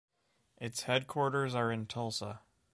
Its headquarters are in Tulsa.